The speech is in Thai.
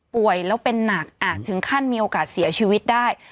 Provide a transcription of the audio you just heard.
ป่วยแล้วเป็นหนักอาจถึงขั้นมีโอกาสเสียชีวิตได้